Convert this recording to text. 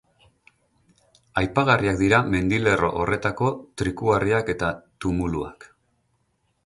Aipagarriak dira mendilerro horretako trikuharriak eta tumuluak.